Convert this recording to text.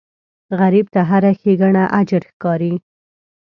غریب ته هره ښېګڼه اجر ښکاري